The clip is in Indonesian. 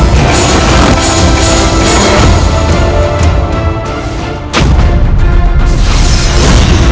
ke rencana dasar